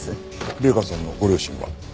麗華さんのご両親は？